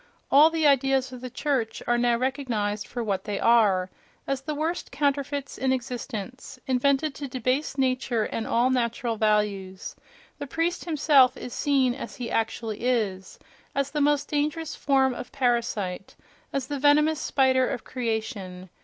All the ideas of the church are now recognized for what they are—as the worst counterfeits in existence, invented to debase nature and all natural values; the priest himself is seen as he actually is—as the most dangerous form of parasite, as the venomous spider of creation....